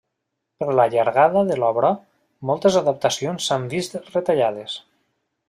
Per la llargada de l'obra, moltes adaptacions s'han vist retallades.